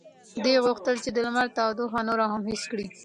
ده غوښتل چې د لمر تودوخه نوره هم حس کړي.